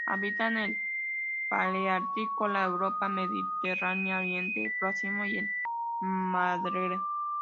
Habita en el paleártico: la Europa mediterránea, Oriente Próximo y el Magreb.